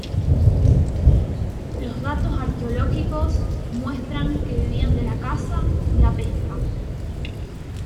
Los datos arqueológicos muestran que vivían de la caza y la pesca.